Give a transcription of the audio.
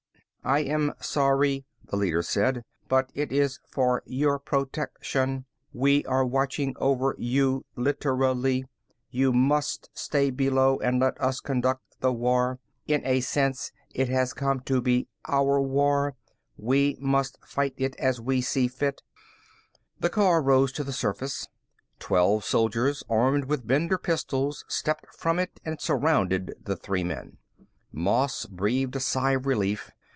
"I am sorry," the leader said, "but it is for your protection. We are watching over you, literally. You must stay below and let us conduct the war. In a sense, it has come to be our war. We must fight it as we see fit." The car rose to the surface. Twelve soldiers, armed with Bender pistols, stepped from it and surrounded the three men. Moss breathed a sigh of relief.